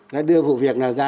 đã đưa vụ việc nào ra